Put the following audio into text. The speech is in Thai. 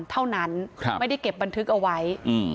เท่านั้นไม่ได้เก็บบันทึกเอาไว้